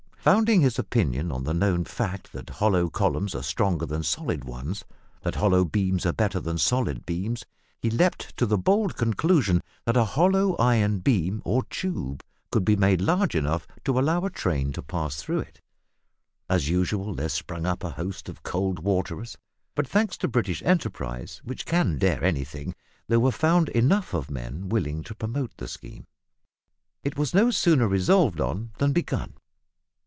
Pounding his opinion on the known fact that hollow columns are stronger than solid ones; that hollow beams are better than solid beams, he leaped to the bold conclusion that a hollow iron beam, or tube, could be made large enough to allow a train to pass through it! As usual there sprang up a host of cold waterers, but thanks to British enterprise, which can dare anything, there were found enough of men willing to promote the scheme. It was no sooner resolved on than begun.